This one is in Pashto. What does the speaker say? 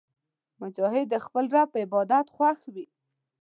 مجاهد د خپل رب په عبادت خوښ وي.